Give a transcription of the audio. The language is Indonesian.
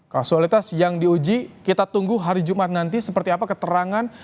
kasualitas yang diuji kita tunggu hari jumat nanti seperti apa keterangan